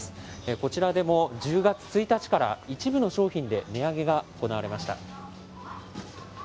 こちらでも１０月１日から、一部の商品で値上げが行われました。